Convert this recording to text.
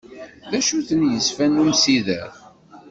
D acu-ten yizefan n umsider?